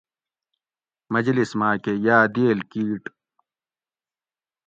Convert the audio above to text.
مجلس ماۤکہ یاۤ دئیل کِیٹ